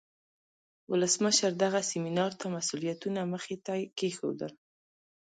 ولسمشر دغه سیمینار ته مسئولیتونه مخې ته کیښودل.